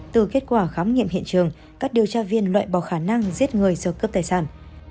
từ kết quả khám nghiệm hiện trường các điều tra viên loại bỏ khả năng giết người sơ cướp tài sản